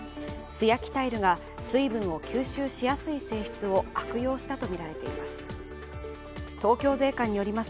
素焼きタイルが水分を吸収しやすい性質を悪用したとみられています。